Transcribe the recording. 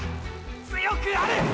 強くあれ！！